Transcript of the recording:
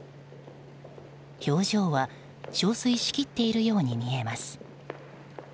表情は、憔悴しきっているように見えます。